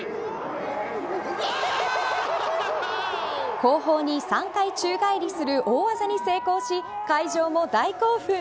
後方に３回宙返りする大技に成功し会場も大興奮。